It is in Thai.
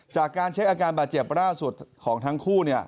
จากการเช็คอาการบาดเจ็บล่าสุดของทั้งคู่